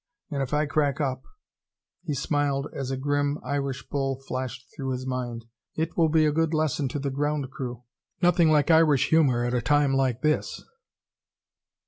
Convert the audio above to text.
And if I crack up " he smiled as a grim Irish bull flashed through his mind "it will be a good lesson to the ground crew. Nothing like Irish humor at a time like this."